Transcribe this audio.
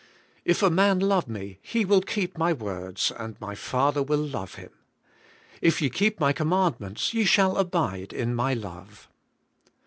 'If a man love me, he will keep my words, and my Father will love him.' 'If ye keep my command ments, ye shall abide in my love.